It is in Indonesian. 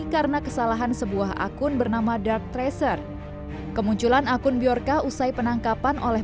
karena kesalahan sebuah akun bernama segundo se could kemunculan akun biurka usai penangkapan oleh